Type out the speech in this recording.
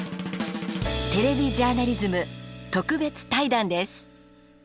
「テレビジャーナリズム」特別対談です。